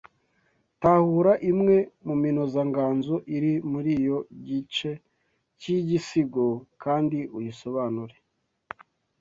Tahura imwe mu minozanganzo iri muri iyo gice k’igisigo kandi uyisobanure